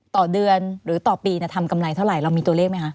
ต่อเดือนหรือต่อปีทำกำไรเท่าไหร่เรามีตัวเลขไหมคะ